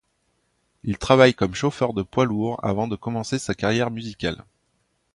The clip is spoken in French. Il travaille comme chauffeur de poids-lourd avant de commencer sa carrière musicale.